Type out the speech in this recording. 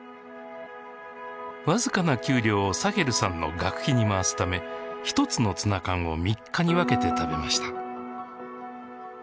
僅かな給料をサヘルさんの学費に回すため１つのツナ缶を３日に分けて食べました。